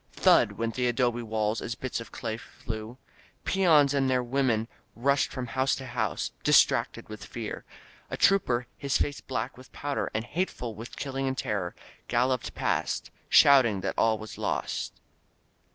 Thud! went the adobe walls as bits of clay flew. Peons and their women rushed from house to house, distracted with fear. A trooper, his face black with powder and hateful with killing and terror, galloped past, shouting that all was lost.